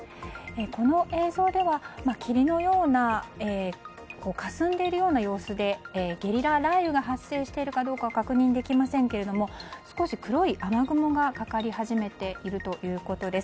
この映像では、霧のようなかすんでいるような様子でゲリラ雷雨が発生しているかどうかは確認できませんけれども少し黒い雨雲がかかり始めているということです。